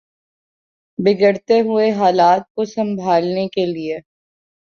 بگڑتے ہوئے حالات کو سنبھالنے کے لیے